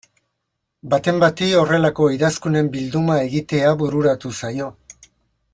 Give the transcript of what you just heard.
Baten bati horrelako idazkunen bilduma egitea bururatu zaio.